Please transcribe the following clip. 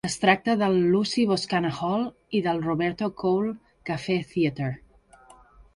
Es tracta del Lucy Boscana Hall i del Roberto Cole Cafe Theater.